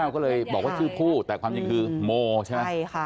แล้วก็เลยบอกว่าสื่อคู่แต่ความจริงคือโมหรือไม่